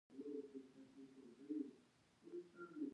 د دې ګډوډو حالاتو په اړه مې څه مطالعه وکړه.